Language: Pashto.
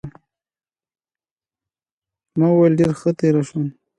ما وویل ډېره ښه تېره شول.